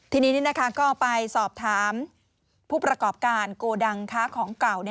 ทีนี้ก็ไปสอบถามผู้ประกอบการโกดังค้าของเก่า